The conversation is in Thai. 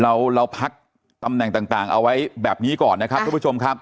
เราเราพักตำแหน่งต่างเอาไว้แบบนี้ก่อนนะครับทุกผู้ชมครับ